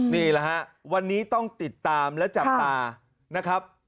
นี่แหละฮะวันนี้ต้องติดตามและจับตานะครับ